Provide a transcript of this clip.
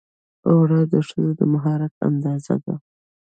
اوړه د ښځو د مهارت اندازه ده